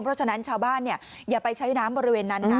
เพราะฉะนั้นชาวบ้านอย่าไปใช้น้ำบริเวณนั้นนะ